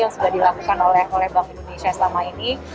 yang sudah dilakukan oleh bank indonesia selama ini